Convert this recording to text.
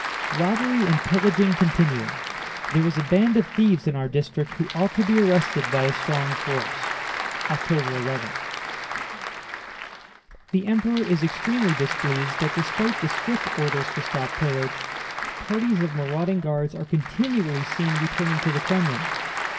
"Robbery and pillaging continue. There is a band of thieves in our district who ought to be arrested by a strong force—October 11." "The Emperor is extremely displeased that despite the strict orders to stop pillage, parties of marauding Guards are continually seen returning to the Krémlin.